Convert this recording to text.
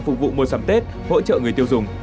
phục vụ mua sắm tết hỗ trợ người tiêu dùng